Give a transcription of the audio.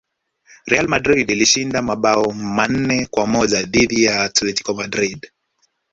real madrid ilishinda mabao manne kwa moja dhidi ya atletico madrid